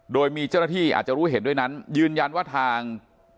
โดยมีเจ้าหน้าที่อาจจะรู้เห็นด้วยนั้นยืนยันว่าทาง